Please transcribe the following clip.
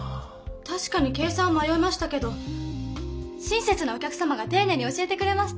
たしかに計算をまよいましたけど親切なお客様がていねいに教えてくれました。